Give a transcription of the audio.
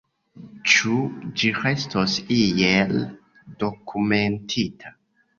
Ĉu ĝi restos iel dokumentita?